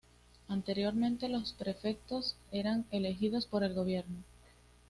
Anteriormente, los prefectos eran elegidos por el Gobierno.